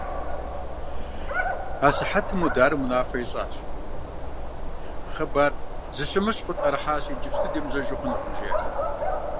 А сыхьэтым Мударым унафэ ищӀащ: «Хъыбар зэщымыщхъу къытӀэрыхьащи, иджыпсту демыжьэжу хъунукъым», – жери.